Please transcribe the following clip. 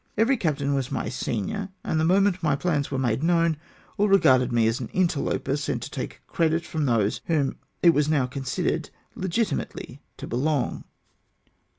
Every captain was my senior, and the moment my plans were made known, all regarded me as an interloper, sent to take the credit from those to whom it was now considered legitimately to belong.